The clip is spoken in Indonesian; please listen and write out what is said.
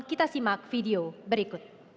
kita simak video berikut